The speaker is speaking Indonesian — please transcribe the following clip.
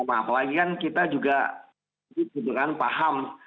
apalagi kan kita juga juga paham